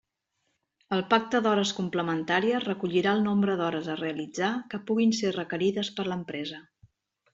El pacte d'hores complementàries recollirà el nombre d'hores a realitzar que puguin ser requerides per l'empresa.